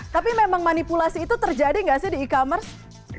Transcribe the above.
tapi memang manipulasi itu terjadi nggak sih di e commerce